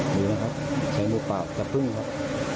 ดูนะครับใช้มือปากสะพึ่งครับ